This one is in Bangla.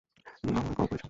নায়না কল করছে।